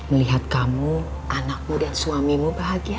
melihat kamu anakmu dan suamimu bahagia